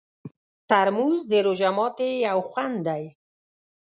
ترموز د روژه ماتي یو خوند دی.